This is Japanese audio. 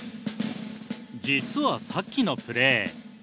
実はさっきのプレー。